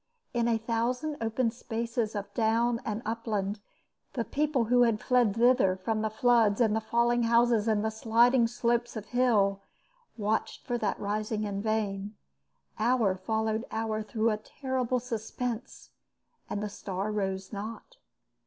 In a thousand open spaces of down and upland the people who had fled thither from the floods and the falling houses and sliding slopes of hill watched for that rising in vain. Hour followed hour through a terrible suspense, and the star rose not.